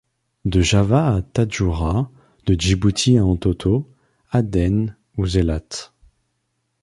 De Java à Tadjourah, de Djibouti à Entoto, Aden ou Zeilat.